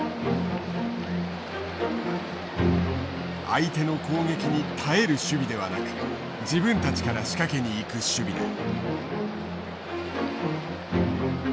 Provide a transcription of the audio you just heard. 相手の攻撃に耐える守備ではなく自分たちから仕掛けに行く守備だ。